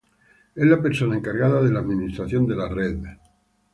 Es la persona encargada de la administración de la red.